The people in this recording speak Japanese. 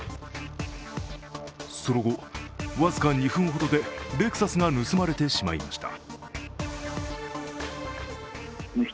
その後、僅か２分ほどでレクサスが盗まれてしまいました。